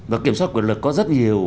và kiểm soát quyền lực có rất nhiều